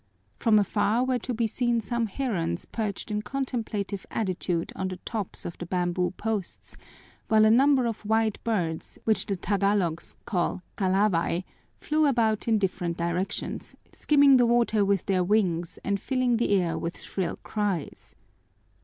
From afar were to be seen some herons perched in contemplative attitude on the tops of the bamboo posts, while a number of white birds, which the Tagalogs call kalaway, flew about in different directions, skimming the water with their wings and filling the air with shrill cries.